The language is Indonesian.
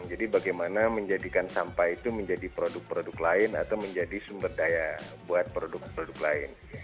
jadi bagaimana menjadikan sampah itu menjadi produk produk lain atau menjadi sumber daya buat produk produk lain